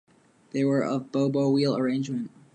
They were of Bo-Bo wheel arrangement.